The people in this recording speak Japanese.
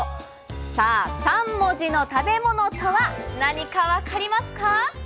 さあ、３文字の食べ物とは何か分かりますか？